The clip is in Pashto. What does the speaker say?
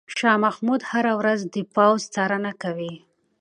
شاه محمود هره ورځ د پوځ څارنه کوي.